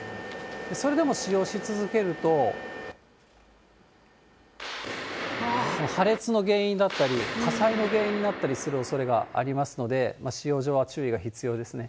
それでも使用し続けると、破裂の原因になったり、火災の原因になったりするおそれがありますので、使用上は注意が必要ですね。